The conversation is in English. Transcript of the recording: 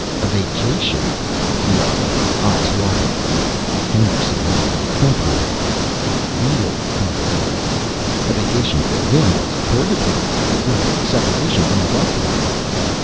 "A vacation?" he echoed, eyes widening. Henderson was a company man, a real company man. A vacation for him was purgatory, it was separation from a loved one.